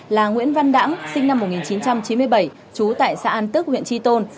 là nguyễn văn đẳng sinh năm một nghìn chín trăm chín mươi bảy trú tại xã an tức huyện tri tôn